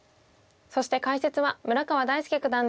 そして解説は村川大介九段です。